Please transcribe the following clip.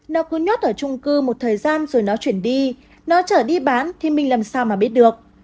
nó cứ nhót ở chung cư một thời gian rồi nó chuyển đi nó chở đi bán thì mình làm sao mà biết được